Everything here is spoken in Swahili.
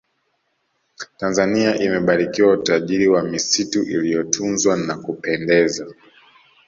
tanzania imebarikiwa utajiri wa misitu iliyotunzwa ya kupendeza